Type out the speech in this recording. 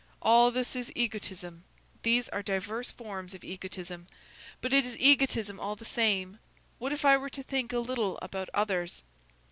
all this is egotism; these are diverse forms of egotism, but it is egotism all the same. What if I were to think a little about others?